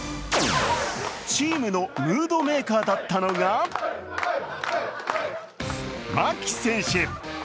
チームのムードメーカーだったのが牧選手。